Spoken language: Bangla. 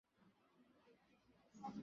আমি সারাহ ফিয়ার কে!